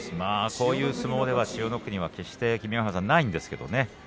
こういう相撲では千代の国は決してないはずです。